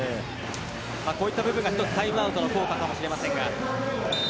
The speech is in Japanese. こういった部分がタイムアウトの効果かもしれません。